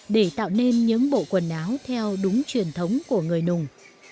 để tạo nên những bộ quần áo theo đúng truyền thống của người nùng